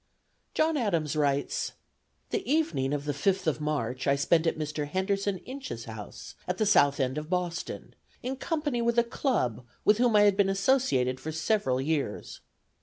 John Adams writes: "The evening of the fifth of March I spent at Mr. Henderson Inches' house, at the south end of Boston, in company with a club with whom I had been associated for several years.